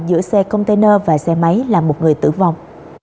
giữa xe container và xe máy làm một người tử vong